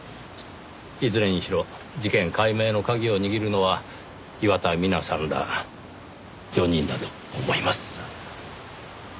いずれにしろ事件解明の鍵を握るのは岩田ミナさんら４人だと思います。